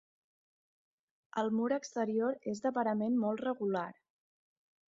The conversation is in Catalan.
El mur exterior és de parament molt regular.